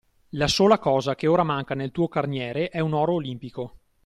La sola cosa che ora manca nel tuo carniere, è un oro Olimpico.